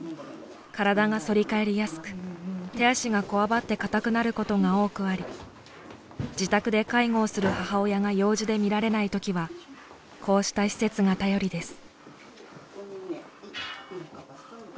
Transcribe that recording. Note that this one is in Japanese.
体が反り返りやすく手足がこわばって硬くなることが多くあり自宅で介護をする母親が用事で見られないときはこうした施設が頼りです。